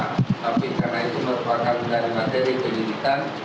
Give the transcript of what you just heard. tapi karena itu merupakan dari materi penyidikan